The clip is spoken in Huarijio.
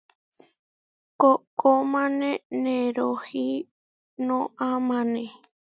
Koʼkómane neroinoamane.